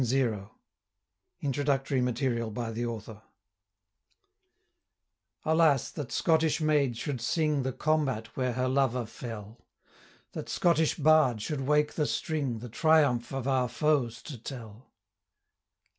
MARMION A TALE OF FLODDEN FIELD IN SIX CANTOS Alas! that Scottish maid should sing The combat where her lover fell! That Scottish Bard should wake the string, The triumph of our foes to tell!